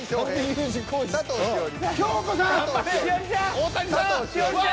大谷さん。